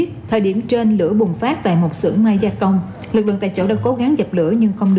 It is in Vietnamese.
có em mắc bệnh nặng